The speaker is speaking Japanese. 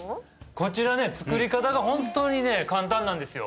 こちらね作り方が本当にね簡単なんですよ